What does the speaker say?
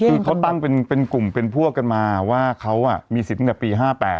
เมื่อเห็นตั้งเป็นกลุ่มเป็นพวกเอาไปมาว่าเขาอะมีสินตั้งแต่ปี๕๘